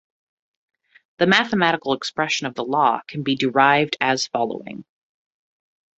The mathematical expression of the law can be derived as following.